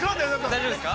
◆大丈夫ですか。